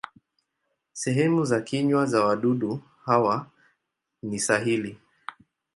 Sehemu za kinywa za wadudu hawa ni sahili.